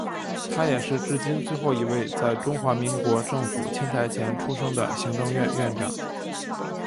他也是至今最后一位在中华民国政府迁台前出生的行政院院长。